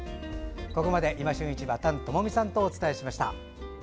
ここまで「いま旬市場」丹友美さんとお伝えしました。